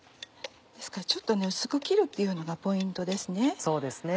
ですからちょっと薄く切るっていうのがポイントですね。